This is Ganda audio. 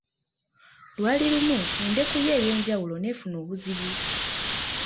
Lwali lumu endeku ye ey'enjawulo n'efuna obuzibu.